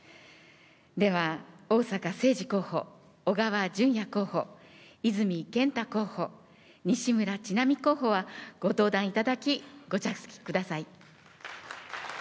では、逢坂誠二候補、小川淳也候補、泉健太候補、西村智奈美候補は、ご登壇いただき、ご着席ください。